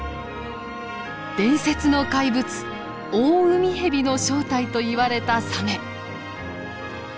伝説の怪物オオウミヘビの正体といわれたサメ。